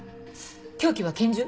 凶器は拳銃？